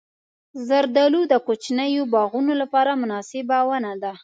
زردالو د کوچنیو باغونو لپاره مناسبه ونه ده.